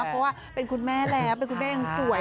เพราะว่าเป็นคุณแม่แล้วเป็นคุณแม่ยังสวย